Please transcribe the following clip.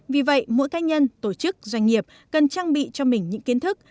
vì vậy mỗi cá nhân tổ chức doanh nghiệp cần trang bị cho mình những kiến thức